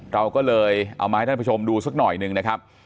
เราก็เลยเอามาให้ท่านผู้ชมดูสักหน่อยหนึ่งนะครับ